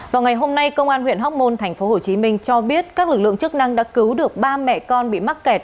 vào ngày hôm nay công an huyện hóc môn tp hcm cho biết các lực lượng chức năng đã cứu được ba mẹ con bị mắc kẹt